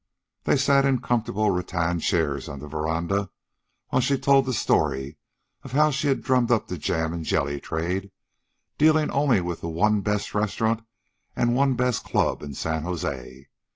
They sat in comfortable rattan chairs on the veranda, while she told the story of how she had drummed up the jam and jelly trade, dealing only with the one best restaurant and one best club in San Jose.